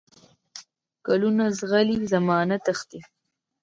کلونه زغلي، زمانه تښتي